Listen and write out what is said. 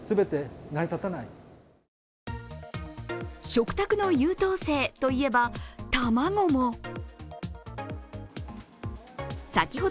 食卓の優等生といえば卵も。